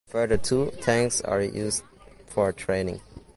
Further two tanks are used for training.